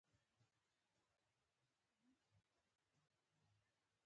څو ښاريان له يو منظم،